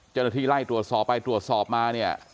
จนทีไล่ตรวจสอบไปตรวจสอบมา